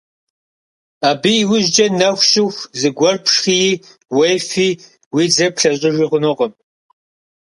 Абы и ужькӀэ нэху щыху зыгуэр пшхыи, уефи, уи дзэр плъэщӀыжи хъунукъым.